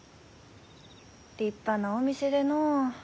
立派なお店でのう。